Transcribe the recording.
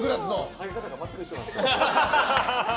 ハゲ方が全く一緒なんです。